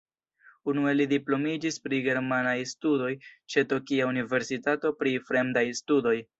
Unue li diplomiĝis pri germanaj studoj ĉe Tokia Universitato pri Fremdaj Studoj.